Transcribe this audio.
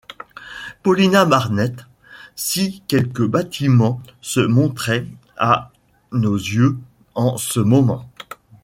Paulina Barnett, si quelque bâtiment se montrait à nos yeux en ce moment?